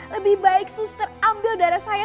lebih baik sus terambil darah saya